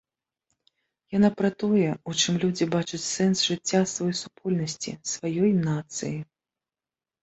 Яна пра тое, у чым людзі бачаць сэнс жыцця сваёй супольнасці, сваёй нацыі.